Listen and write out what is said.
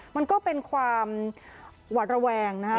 มันก็เป็นความหวัดระแวงนะฮะ